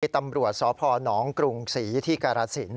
ตำรวจสพนกรุงศรีที่กาลสิน